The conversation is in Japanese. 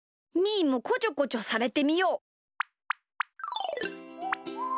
ーもこちょこちょされてみよう。